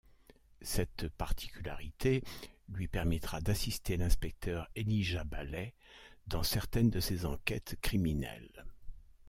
Cette particularité lui permettra d'assister l'inspecteur Elijah Baley dans certaines de ses enquêtes criminelles.